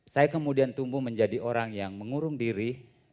saya kemudian tumbuh menjadi orang yang mengurung diri